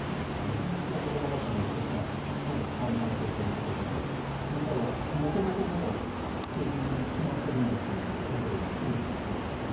そこは高橋さんがおっしゃった淡々とした受け答えまたは元々スケジュール的に決まっているんだというところに来るんですかね、これはね。